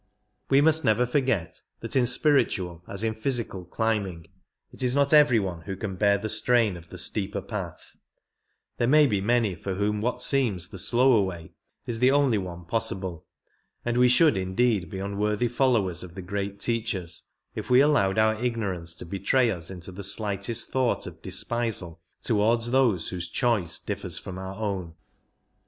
We must never forget that in spiritual as in physical climbing it is not every one who can bear the strain of the steeper path ; there may be many for whom what seems the slower way is the only one possible, and we should indeed be unworthy followers of the great Teachers if we allowed our ignorance to betray us into the slightest thought of despisal towards those whose choice differs from our own.